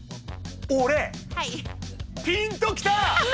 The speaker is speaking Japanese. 俺ピンときた！